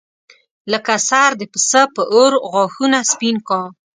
لکه سر د پسه په اور غاښونه سپین کا.